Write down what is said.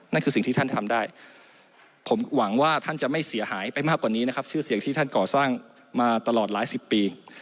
คือสิ่งที่ท่านทำได้ผมหวังว่าท่านจะไม่เสียหายไปมากกว่านี้นะครับชื่อเสียงที่ท่านก่อสร้างมาตลอดหลายสิบปี